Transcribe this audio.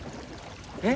えっ？